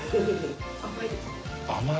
甘い？